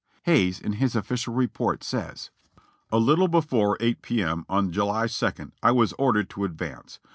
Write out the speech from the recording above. Hays, in his official report, says : "A little before 8 P. AI. on July 2nd, I was ordered to advance.